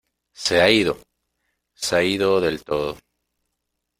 ¡ Se ha ido! Se ha ido del todo.